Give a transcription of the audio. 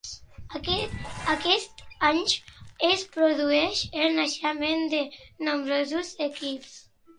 Aquests anys es produeix el naixement de nombrosos equips.